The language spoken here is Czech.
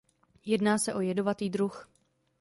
Jedná se o jedovatý druh.